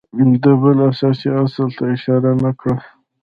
ده بل اساسي اصل ته اشاره نه کړه